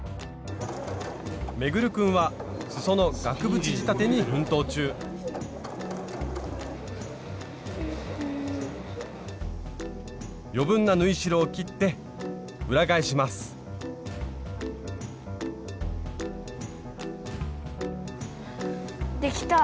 運君はすその額縁仕立てに奮闘中余分な縫い代を切って裏返します額縁できた？